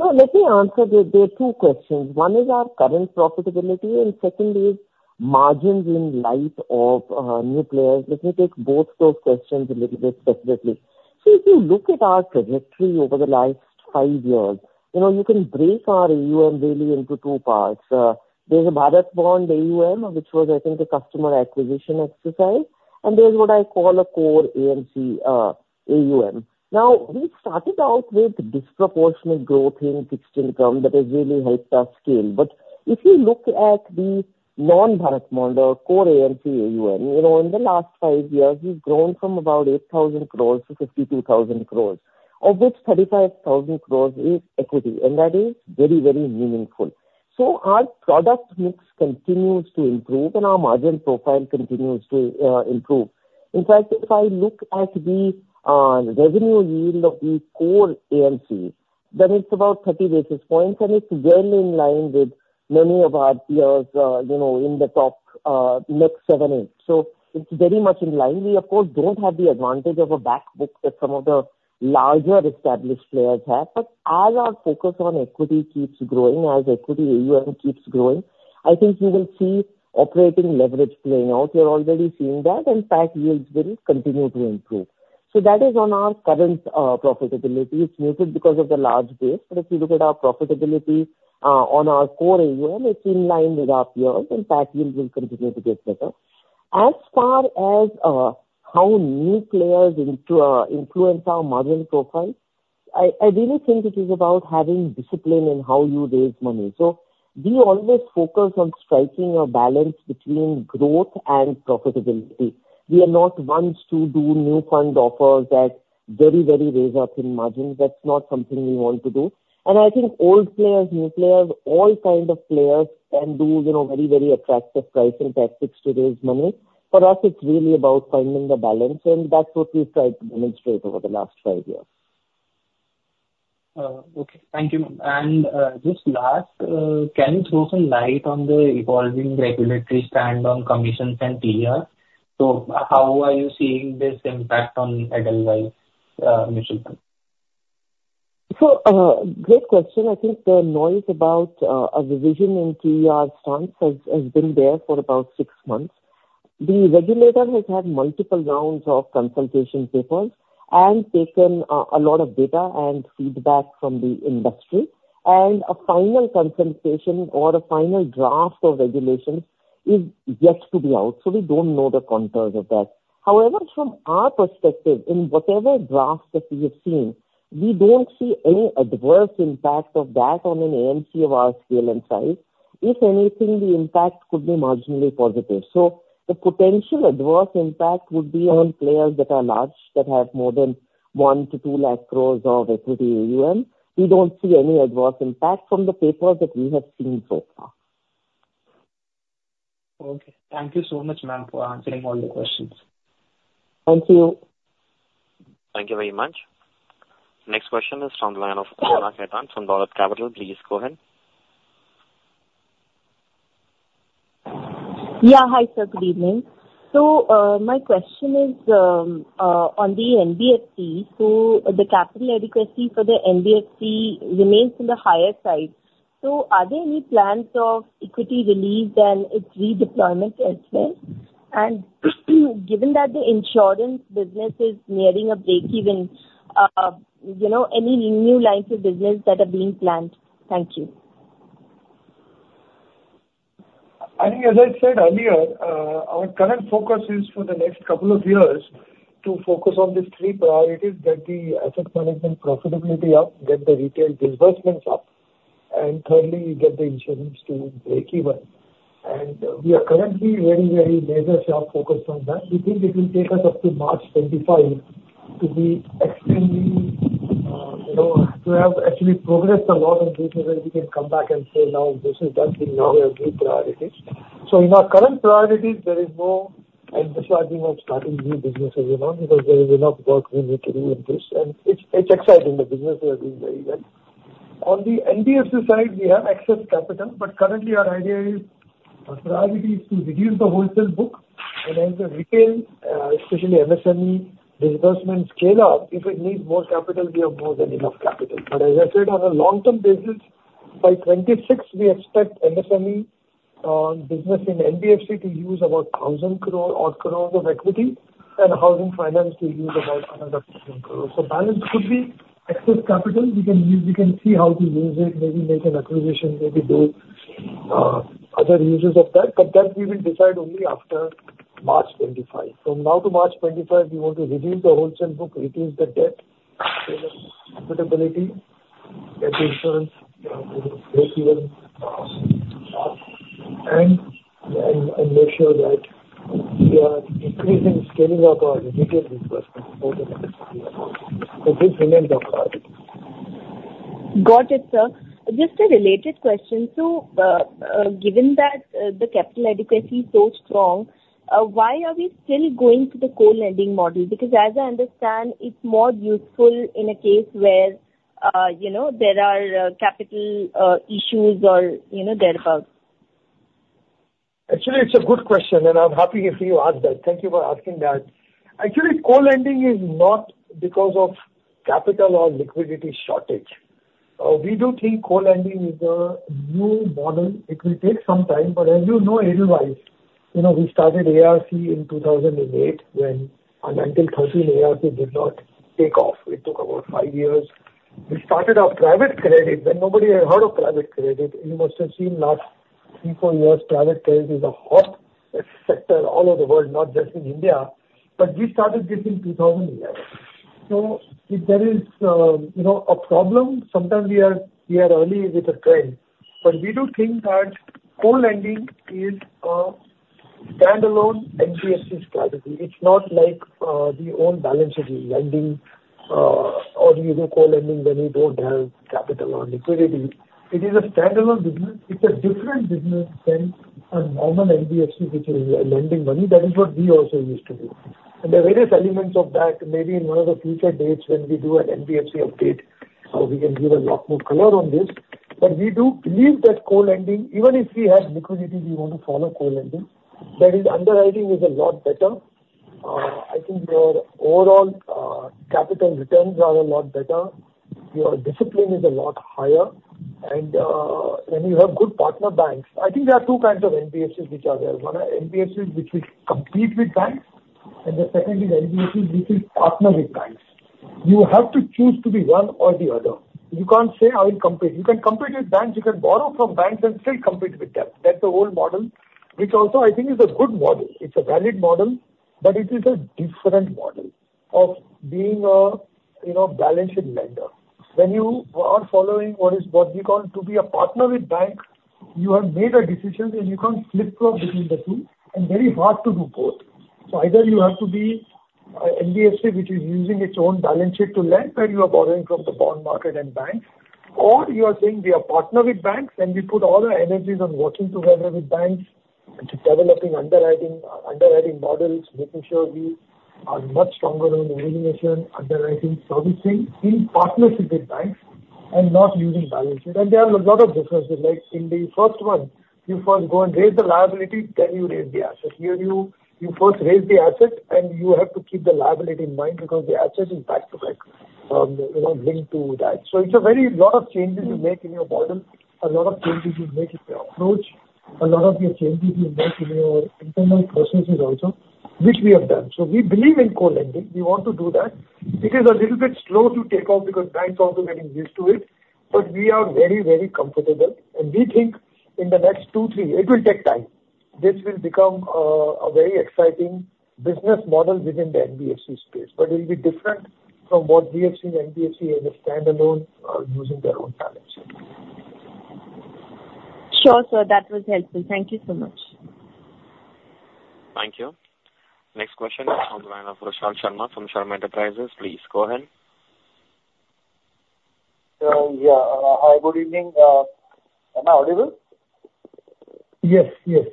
F: So let me answer the two questions. One is our current profitability, and second is margins in light of new players. Let me take both those questions a little bit separately. So if you look at our trajectory over the last five years, you know, you can break our AUM really into two parts. There's a BHARAT Bond AUM, which was, I think, a customer acquisition exercise, and there's what I call a core AMC AUM. Now, we started out with disproportionate growth in fixed income that has really helped us scale. But if you look at the non-BHARAT Bond or core AMC AUM, you know, in the last five years, we've grown from about 8,000 crore to 52,000 crore, of which 35,000 crore is equity, and that is very, very meaningful. So our product mix continues to improve, and our margin profile continues to improve. In fact, if I look at the revenue yield of the core AMCs, then it's about 30 basis points, and it's well in line with many of our peers, you know, in the top next seven, eight. So it's very much in line. We, of course, don't have the advantage of a backbook that some of the larger established players have. But as our focus on equity keeps growing, as equity AUM keeps growing, I think you will see operating leverage playing out. You're already seeing that, and PAT yields will continue to improve. So that is on our current profitability. It's muted because of the large base, but if you look at our profitability on our core AUM, it's in line with our peers, and PAT yields will continue to get better. As far as how new players influence our margin profile, I really think it is about having discipline in how you raise money. So we always focus on striking a balance between growth and profitability. We are not ones to do new fund offers that very, very raise up in margins. That's not something we want to do. And I think old players, new players, all kind of players can do, you know, very, very attractive pricing tactics to raise money. For us, it's really about finding the balance, and that's what we've tried to demonstrate over the last five years.
J: Okay. Thank you, ma'am. And just last, can you throw some light on the evolving regulatory stand on commissions and TER? So how are you seeing this impact on Edelweiss Mutual Fund?
F: So, great question. I think the noise about, a revision in TER stance has, has been there for about six months. The regulator has had multiple rounds of consultation papers and taken, a lot of data and feedback from the industry. A final consultation or a final draft of regulations is yet to be out, so we don't know the contours of that. However, from our perspective, in whatever draft that we have seen, we don't see any adverse impact of that on an AMC of our scale and size. If anything, the impact could be marginally positive. So the potential adverse impact would be on players that are large, that have more than 100,000 crore-200,000 crore of equity AUM. We don't see any adverse impact from the papers that we have seen so far.
J: Okay. Thank you so much, ma'am, for answering all the questions.
F: Thank you.
A: Thank you very much. Next question is from the line of Urvashi Khetan from Bharat Capital. Please go ahead.
K: Yeah. Hi, sir. Good evening. So, my question is on the NBFC. So the capital adequacy for the NBFC remains in the higher side. So are there any plans of equity relief and its redeployment as well? And given that the insurance business is nearing a break-even, you know, any new lines of business that are being planned? Thank you.
C: I think as I said earlier, our current focus is for the next couple of years to focus on these three priorities: get the asset management profitability up, get the retail disbursements up, and thirdly, get the insurance to break even. And we are currently very, very laser sharp focused on that. We think it will take us up to March 2025 to be extremely, you know, to have actually progressed a lot in business, where we can come back and say, "Now, this is done. We now have new priorities." So in our current priorities, there is no emphasizing on starting new businesses, you know, because there is enough work we need to do in this, and it's, it's exciting. The business we are doing very well. On the NBFC side, we have excess capital, but currently our idea is, our priority is to reduce the wholesale book and as the retail, especially MSME disbursement scale up, if it needs more capital, we have more than enough capital. But as I said, on a long-term basis, by 2026, we expect MSME business in NBFC to use about 1,000 crore or crores of equity, and housing finance to use about another 1,000 crore. So balance could be excess capital. We can use, we can see how to use it, maybe make an acquisition, maybe do other uses of that, but that we will decide only after March 2025. From now to March 25, we want to reduce the wholesale book, reduce the debt, profitability, get the insurance, break even, and make sure that we are increasing scaling of our retail disbursements over the next year. So these remain the priorities.
K: .Got it, sir. Just a related question: so, given that, the capital adequacy is so strong, why are we still going to the co-lending model? Because as I understand, it's more useful in a case where, you know, there are, capital, issues or, you know, thereabout.
C: Actually, it's a good question, and I'm happy if you asked that. Thank you for asking that. Actually, co-lending is not because of capital or liquidity shortage. We do think co-lending is a new model. It will take some time, but as you know, Edelweiss, you know, we started ARC in 2008, when and until 2013, ARC did not take off. It took about five years. We started our private credit when nobody had heard of private credit. You must have seen last three, four years, private credit is a hot sector all over the world, not just in India, but we started this in 2008. So if there is, you know, a problem, sometimes we are, we are early with a trend, but we do think that co-lending is a standalone NBFC strategy. It's not like, the own balance sheet lending, or, you know, co-lending when you don't have capital or liquidity. It is a standalone business. It's a different business than a normal NBFC, which is lending money. That is what we also used to do. And there are various elements of that. Maybe in one of the future dates, when we do an NBFC update, we can give a lot more color on this. But we do believe that co-lending, even if we had liquidity, we want to follow co-lending. That is, underwriting is a lot better. I think your overall, capital returns are a lot better, your discipline is a lot higher, and, when you have good partner banks. I think there are two kinds of NBFCs which are there. One are NBFCs which will compete with banks, and the second is NBFCs which will partner with banks. You have to choose to be one or the other. You can't say, "I will compete." You can compete with banks, you can borrow from banks and still compete with them. That's the old model, which also, I think, is a good model. It's a valid model, but it is a different model of being a, you know, balanced lender. When you are following what is, what we call to be a partner with banks, you have made a decision and you can't flip-flop between the two, and very hard to do both. So either you have to be a NBFC, which is using its own balance sheet to lend, where you are borrowing from the bond market and banks, or you are saying we are partner with banks and we put all our energies on working together with banks into developing underwriting, underwriting models, making sure we are much stronger on origination, underwriting, servicing, in partnership with banks and not using balance sheet. And there are a lot of differences, like in the first one, you first go and raise the liability, then you raise the asset. Here you first raise the asset, and you have to keep the liability in mind because the asset is back-to-back, you know, linked to that. So it's a very lot of changes you make in your model, a lot of changes you make in your approach, a lot of the changes you make in your internal processes also, which we have done. So we believe in co-lending. We want to do that. It is a little bit slow to take off because banks also getting used to it, but we are very, very comfortable, and we think in the next two, three... It will take time. This will become a very exciting business model within the NBFC space, but it will be different from what we have seen NBFC as a standalone using their own balance sheet.
K: Sure, sir. That was helpful. Thank you so much.
A: Thank you. Next question is from the line of Roshan Sharma from Sharma Enterprises. Please go ahead.
L: Yeah. Hi, good evening. Am I audible?
C: Yes, yes.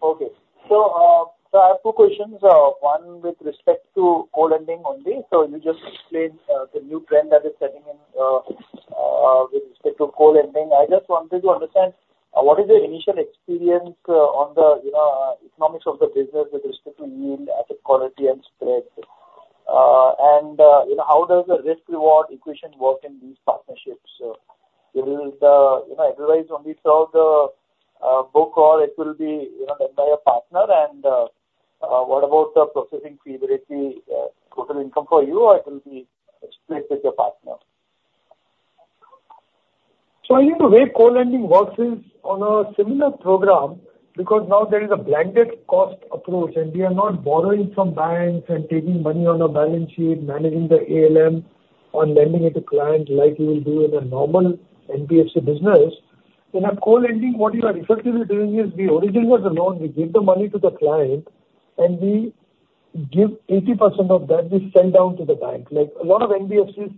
L: Okay. So, so I have two questions. One with respect to co-lending only. So you just explained the new trend that is setting in with respect to co-lending. I just wanted to understand what is your initial experience on the, you know, economics of the business with respect to yield, asset quality and spread? And, you know, how does the risk/reward equation work in these partnerships? Will the, you know, Edelweiss only serve the book or it will be, you know, led by a partner? And what about the processing fee? Whether it be total income for you or it will be split with your partner.
C: So I think the way co-lending works is on a similar program, because now there is a blanket cost approach, and we are not borrowing from banks and taking money on a balance sheet, managing the ALM on lending it to clients like you will do in a normal NBFC business. In a co-lending, what you are effectively doing is we originate the loan, we give the money to the client, and we give 80% of that, we sell down to the bank. Like, a lot of NBFCs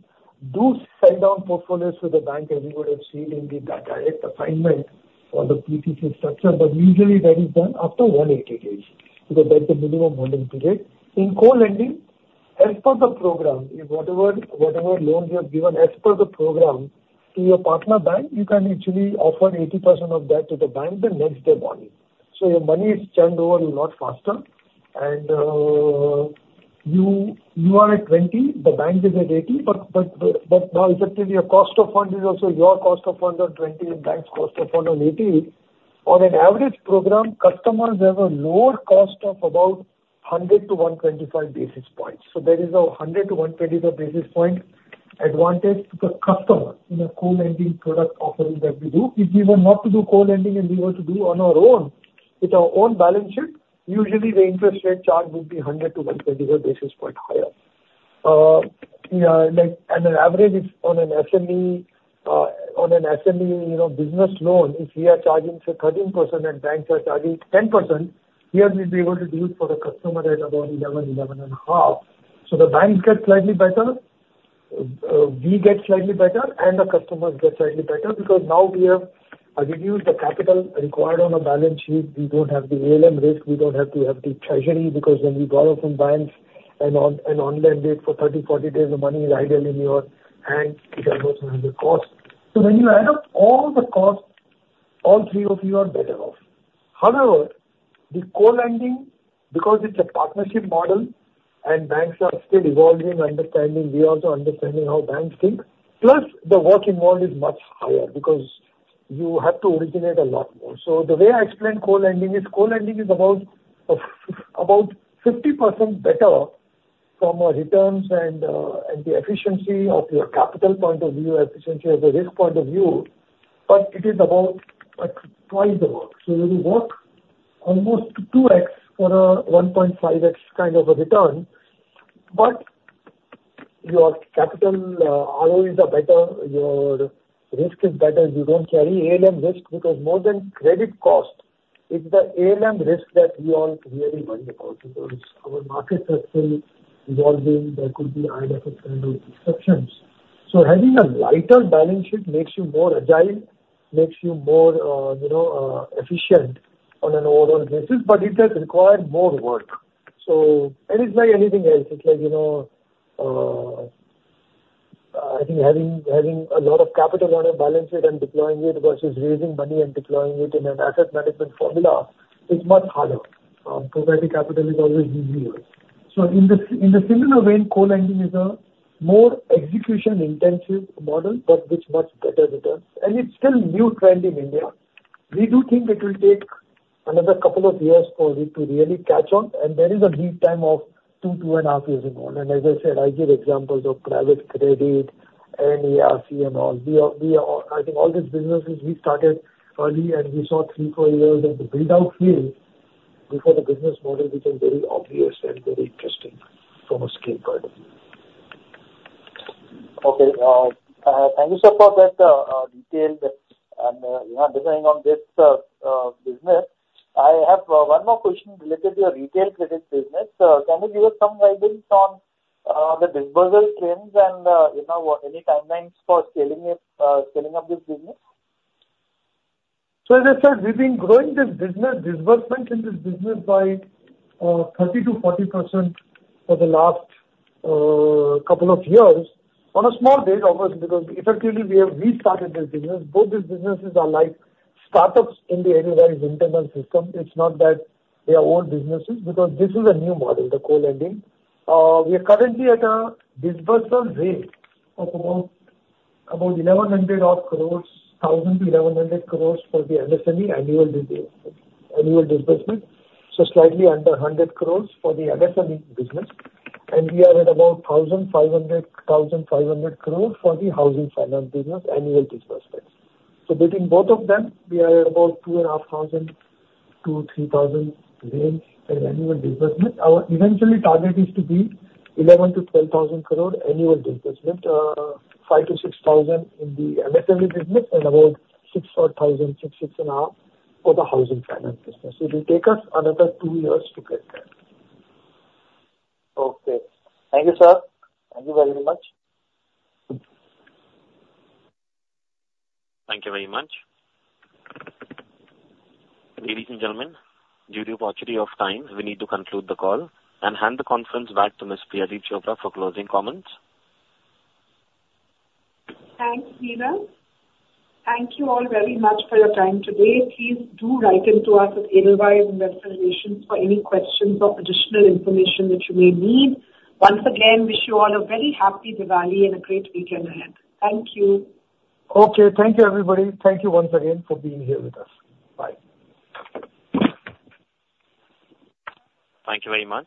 C: do sell down portfolios to the bank, as you would have seen in the direct assignment or the PTC structure, but usually that is done after 180 days, because that's the minimum lending period. In co-lending, as per the program, if whatever, whatever loans you have given as per the program to your partner bank, you can actually offer 80% of that to the bank the next day morning. So your money is turned over a lot faster, and you are at 20, the bank is at 80, but now effectively your cost of fund is also your cost of fund on 20 and bank's cost of fund on 80. On an average program, customers have a lower cost of about 100-125 basis points. So there is a 100-125 basis point advantage to the customer in a co-lending product offering that we do. If we were not to do co-lending and we were to do on our own, with our own balance sheet, usually the interest rate charged would be 100-125 basis points higher. Like, and an average is on an SME, on an SME, you know, business loan, if we are charging, say, 13% and banks are charging 10%. Here we'll be able to do it for the customer at about 11%-11.5%. So the bank gets slightly better, we get slightly better, and the customers get slightly better, because now we have reduced the capital required on our balance sheet. We don't have the ALM risk, we don't have to have the treasury, because when we borrow from banks and on, and on-lend it for 30, 40 days, the money is ideally in your hand at almost no cost. So when you add up all the costs, all three of you are better off. However, with co-lending, because it's a partnership model and banks are still evolving, understanding, we are also understanding how banks think, plus the work involved is much higher because you have to originate a lot more. So the way I explain co-lending is, co-lending is about, of, about 50% better from our returns and, and the efficiency of your capital point of view, efficiency of the risk point of view, but it is about, like, twice the work. So you will work almost 2x for a 1.5x kind of a return, but your capital, ROEs are better, your risk is better. You don't carry ALM risk, because more than credit cost, it's the ALM risk that we all really worry about, because our markets are still evolving. There could be either disruptions. So having a lighter balance sheet makes you more agile, makes you more, you know, efficient on an overall basis, but it does require more work. So and it's like anything else, it's like, you know, I think having a lot of capital on a balance sheet and deploying it versus raising money and deploying it in an asset management formula is much harder. Providing capital is always easier. So in the similar vein, co-lending is a more execution-intensive model, but with much better returns, and it's still new trend in India. We do think it will take another couple of years for it to really catch on, and there is a lead time of 2-2.5 years involved. And as I said, I give examples of private credit, NBFC and all. I think all these businesses we started early and we saw 3-4 years of the build-out phase before the business model became very obvious and very interesting from a scale point of view.
L: Okay, thank you, sir, for that detailed and, you know, designing on this business. I have one more question related to your retail credit business. Can you give us some guidance on the disbursement trends and, you know, any timelines for scaling it, scaling up this business?
C: So as I said, we've been growing this business, disbursements in this business by 30%-40% for the last couple of years. On a small base, obviously, because effectively we have restarted this business. Both these businesses are like startups in the Edelweiss internal system. It's not that they are old businesses, because this is a new model, the co-lending. We are currently at a disbursement rate of about, about 1,100 odd crore, 1,000 crore-1,100 crore for the MSME annual disbursement. So slightly under 100 crore for the MSME business, and we are at about 1,500 crore, 1,500 crore for the housing finance business, annual disbursements. So between both of them, we are at about 2,500 crore-3,000 crore range in annual disbursement. Our eventual target is to be 11,000-12,000 crore annual disbursement, 5,000-6,000 in the MSME business and about 6,000-6,500 for the housing finance business. It will take us another 2 years to get there.
L: Okay. Thank you, sir. Thank you very much.
A: Thank you very much. Ladies and gentlemen, due to paucity of time, we need to conclude the call and hand the conference back to Ms. Priya Chopra for closing comments.
B: Thanks, Nina. Thank you all very much for your time today. Please do write in to us at Edelweiss Investor Relations for any questions or additional information that you may need. Once again, wish you all a very happy Diwali and a great weekend ahead. Thank you!
C: Okay. Thank you, everybody. Thank you once again for being here with us. Bye.
A: Thank you very much.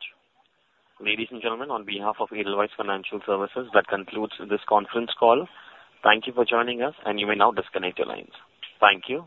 A: Ladies and gentlemen, on behalf of Edelweiss Financial Services, that concludes this conference call. Thank you for joining us, and you may now disconnect your lines. Thank you.